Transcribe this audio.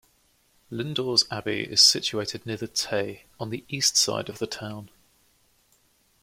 Lindores Abbey is situated near the Tay, on the East side of the town.